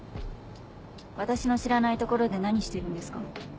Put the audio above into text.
私の知らないところで何してるんですか？